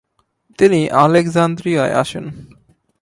তিনি আলেক্সান্দ্রিয়ায় আসেন ।